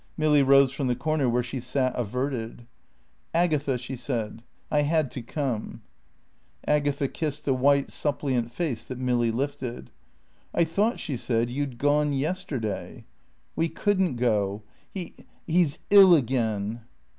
Milly rose from the corner where she sat averted. "Agatha," she said, "I had to come." Agatha kissed the white, suppliant face that Milly lifted. "I thought," she said, "you'd gone yesterday." "We couldn't go. He he's ill again."